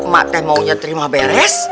mak dan maunya terima beres